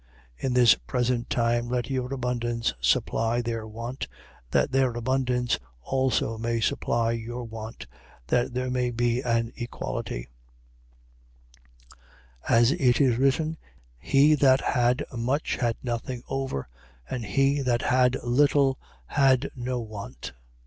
8:14. In this present time let your abundance supply their want, that their abundance also may supply your want: that there may be an equality, 8:15. As it is written: He that had much had nothing over; and he that had little had no want.